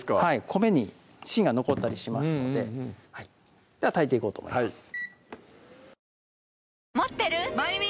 米に芯が残ったりしますのででは炊いていこうと思います